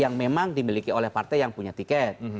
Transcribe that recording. yang memang dimiliki oleh partai yang punya tiket